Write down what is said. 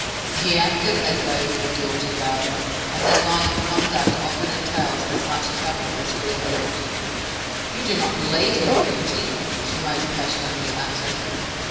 "He acted as though he were guilty, Barbara; and that line of conduct often entails as much trouble as real guilt." "You do not believe him guilty?" she most passionately uttered.